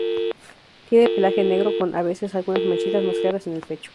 Tiene el pelaje negro con, a veces, algunas manchitas más claras en el pecho.